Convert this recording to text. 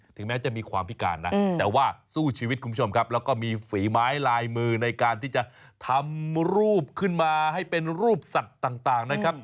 ถึงแม้จะมีความพิการนะแต่ว่าสู้ชีวิตคุณผู้ชมครับแล้วก็มีฝีไม้ลายมือในการที่จะทำรูปขึ้นมาให้เป็นรูปสัตว์ต่างนะครับ